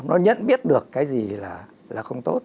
nó nhận biết được cái gì là không tốt